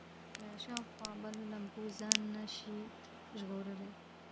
له شاوخوا بلو لمبو ځان نه شي ژغورلی.